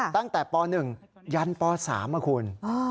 ตั้งแต่ป๑ยันป๓นะคุณ